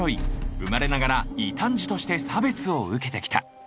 生まれながら異端児として差別を受けてきた。